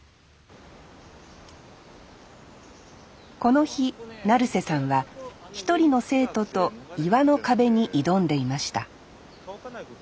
この日成瀬さんは一人の生徒と岩の壁に挑んでいました